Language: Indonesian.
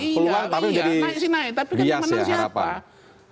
peluang tapi jadi bias ya harapan